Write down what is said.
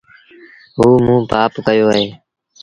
هئو موݩ پآپ ڪيو اهي۔